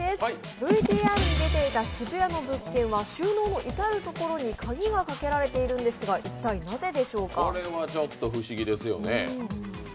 ＶＴＲに出ていた渋谷の物件は収納の至る所に鍵がかけられているんですが一体なぜでしょうか。